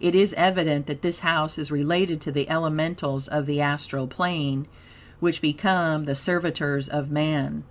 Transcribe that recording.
It is evident that this house is related to the elementals of the astral plane, which become the servitors of man.